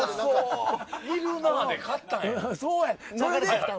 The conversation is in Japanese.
いるなで買ったんや。